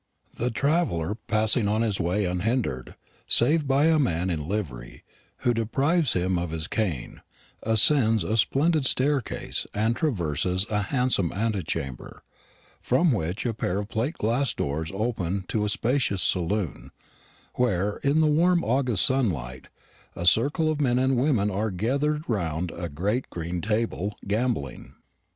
The traveller, passing on his way unhindered, save by a man in livery, who deprives him of his cane, ascends a splendid staircase and traverses a handsome antechamber, from which a pair of plate glass doors open into a spacious saloon, where, in the warm August sunlight, a circle of men and women are gathered round a great green table, gambling.